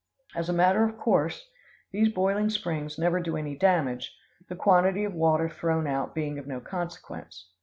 As a matter of course, these boiling springs never do any damage, the quantity of water thrown out being of no consequence.